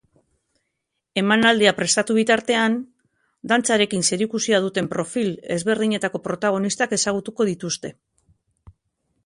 Emanaldia prestatu bitartean, dantzarekin zerikusia duten profil ezberdinetako protagonistak ezagutuko dituzte.